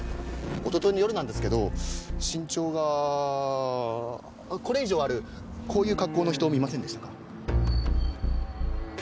一昨日の夜なんですけど身長がこれ以上あるこういう格好の人見ませんでしたか？